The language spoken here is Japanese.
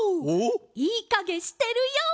いいかげしてるＹＯ！